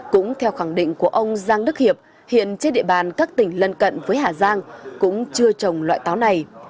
cũng theo khẳng định của ông giang đức hiệp hiện trên địa bàn các tỉnh lân cận với hà giang cũng chưa trồng loại táo này